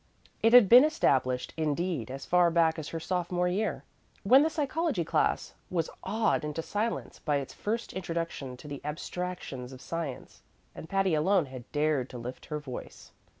It had been established, indeed, as far back as her sophomore year, when the psychology class was awed into silence by its first introduction to the abstractions of science, and Patty alone had dared to lift her voice.